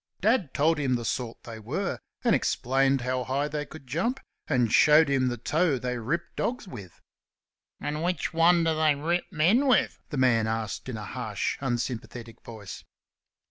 Dad told him the sort they were, and explained how high they could jump, and showed him the toe they ripped dogs with. "And which one do they rip men with?" the man asked in a harsh, unsympathetic voice.